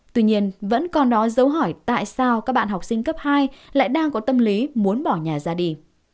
tuy nhiên vẫn còn đó giấu hỏi tại sao các bạn học sinh cấp hai lại đang có tâm lý muốn bỏ nhà ra đi